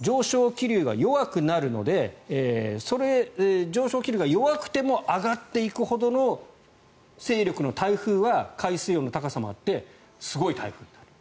上昇気流が弱くなるので上昇気流が弱くても上がっていくほどの勢力の台風は、海水温の高さもあって大きくなる。